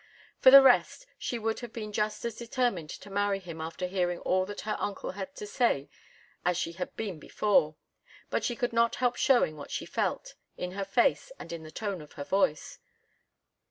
For the rest, she would have been just as determined to marry him after hearing all that her uncle had to say as she had been before. But she could not help showing what she felt, in her face and in the tone of her voice.